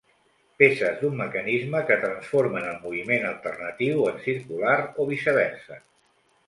Peces d'un mecanisme que transformen el moviment alternatiu en circular o viceversa.